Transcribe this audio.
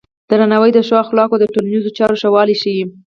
درناوی د ښو اخلاقو او د ټولنیزو چارو ښه والی ښيي.